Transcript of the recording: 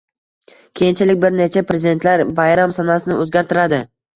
Keyinchalik bir necha prezidentlar bayram sanasini oʻzgartiradi